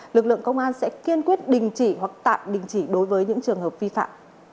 lực lượng công an sẽ kiên quyết đình chỉ hoặc tạm đình chỉ đối với những trường hợp vi phạm